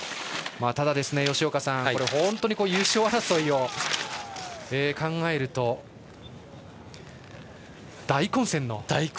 ただ、吉岡さん優勝争いを考えると大混戦の。